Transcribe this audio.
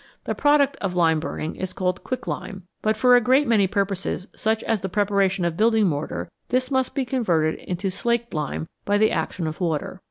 The product of lime burning is called "quick 11 lime, but for a great many purposes, such as the preparation of building mortar, this must be converted into " slaked " lime by the action of water.